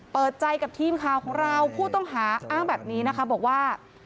เปิดใจกับทีมข่าวของเราผู้ต้องหาอ้างแบบนี้นะคะบอกว่า